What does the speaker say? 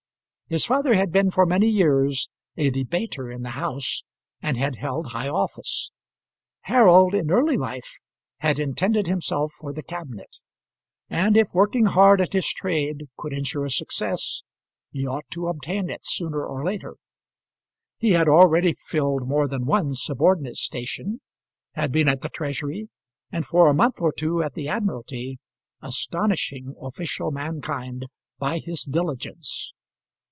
His father had been for many years a debater in the House, and had held high office. Harold, in early life, had intended himself for the cabinet; and if working hard at his trade could ensure success, he ought to obtain it sooner or later. He had already filled more than one subordinate station, had been at the Treasury, and for a month or two at the Admiralty, astonishing official mankind by his diligence.